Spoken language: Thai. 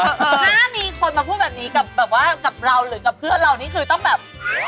ถ้ามีคนมาพูดแบบนี้กับแบบว่ากับเราหรือกับเพื่อนเรานี่คือต้องแบบ